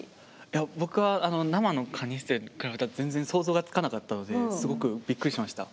いや僕は生のカニステルに比べたら全然想像がつかなかったのですごくびっくりしました。